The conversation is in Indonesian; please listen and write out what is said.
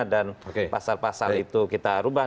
dan pasal pasal itu kita ubah